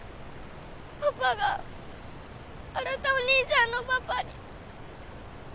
パパが新お兄ちゃんのパパに。